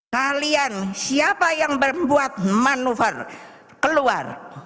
kalian siapa yang membuat manuver keluar